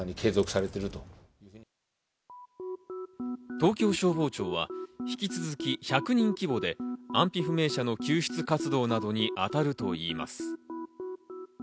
東京消防庁は引き続き１００人規模で安否不明者の救出活動などに当たるといいます。